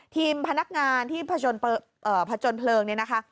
ทีมพนักงานที่ผจญเพลิงเนี่ยนะคะ